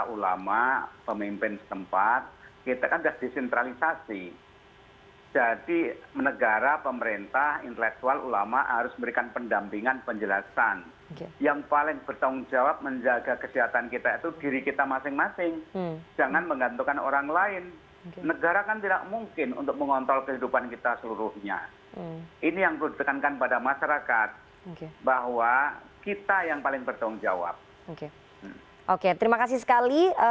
oke terima kasih sekali